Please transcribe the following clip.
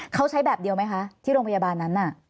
เขาใช้แบบเดียวไหมคะที่โรงพยาบาลนั้นน่ะ